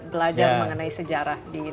belajar mengenai sejarah di indonesia